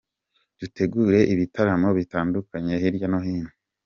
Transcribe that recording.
dutegura ibitaramo bitandukanye hirya no hino".